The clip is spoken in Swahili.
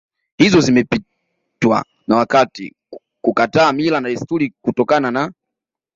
hizo zimepitwa na wakati kukataa mila na desturi kutokana na